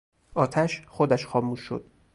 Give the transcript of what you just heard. آتش خودش خاموش شد.